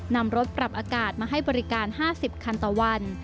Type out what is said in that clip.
นำรถปรับอากาศมาให้บริการ๕๐คันต่อวัน